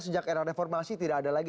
sejak era reformasi tidak ada lagi